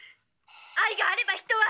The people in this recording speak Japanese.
愛があれば人は。